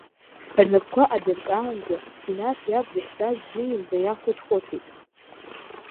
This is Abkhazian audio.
Рнапқәа адыркаанӡа, Синаҭ иаб дахьтәаз днеин днаиахәыҭхәыҭит…